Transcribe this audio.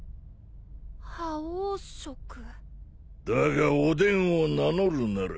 だがおでんを名乗るなら。